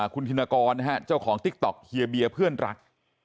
คุณธินกรนะฮะเจ้าของติ๊กต๊อกเฮียเบียเพื่อนรัก